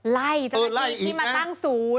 ไล่มาตั้งศูนย์